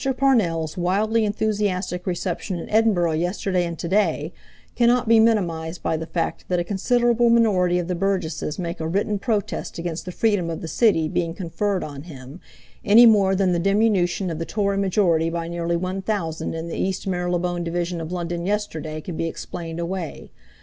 Parnell's wildly enthusiastic reception in Edinburgh yesterday and to day cannot be minimized by the fact that a considerable minority of the burgesses make a written protest against the freedom of the city being conferred on him any more than the diminution of the Tory majority by nearly one thousand in the East Marylebone division of London yesterday can be explained away.